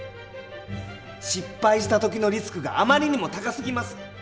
失敗した時のリスクがあまりにも高すぎます。